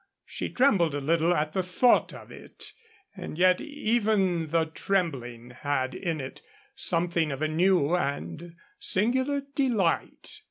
She trembled a little at the thought of it, and yet even the trembling had in it something of a new and singular delight.